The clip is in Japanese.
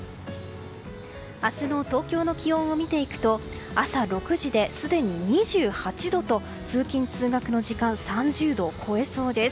明日の東京の気温を見ていくと朝６時で、すでに２８度と通勤・通学の時間３０度を超えそうです。